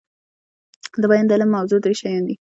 دبیان د علم موضوع درې شيان دي.